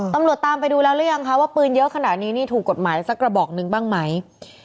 ตามไปดูแล้วหรือยังคะว่าปืนเยอะขนาดนี้นี่ถูกกฎหมายสักกระบอกหนึ่งบ้างไหม